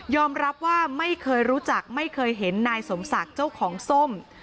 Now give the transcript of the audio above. รับว่าไม่เคยรู้จักไม่เคยเห็นนายสมศักดิ์เจ้าของส้ม